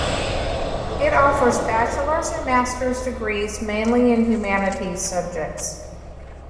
It offers bachelor's and master's degrees, mainly in humanities subjects.